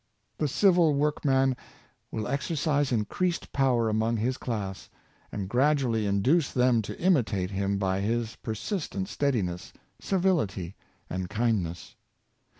The civil workman will exercise increased power among his class, and gradually induce them to imitate him by his persistent steadiness, civility and kindness.